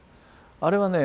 あれはね